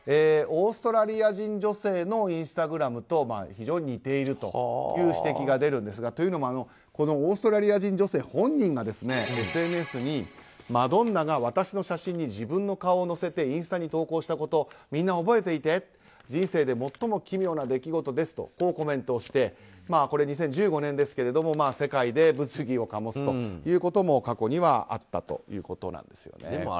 オーストラリア人女性のインスタグラムと非常に似ているという指摘が出るんですがというのもオーストラリア人女性本人がＳＮＳにマドンナが私の写真に自分の顔を載せてインスタに投稿したことみんな覚えていて人生で最も奇妙な出来事ですとこうコメントしてこれ、２０１５年ですが世界で物議を醸すということも過去にはあったということなんですね。